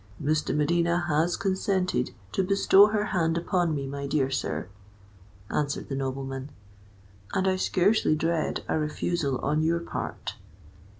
"Miss de Medina has consented to bestow her hand upon me, my dear sir," answered the nobleman; "and I scarcely dread a refusal on your part."